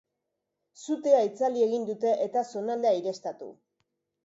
Sutea itzali egin dute, eta zonaldea aireztatu.